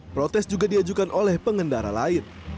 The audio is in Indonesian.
protes juga diajukan oleh pengendara lain